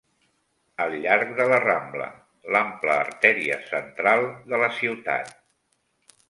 Al llarg de la Rambla, l'ampla artèria central de la ciutat